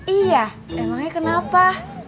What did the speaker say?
iya emangnya kenapa